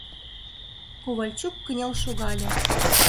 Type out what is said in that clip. Ковальчук кынел шогале.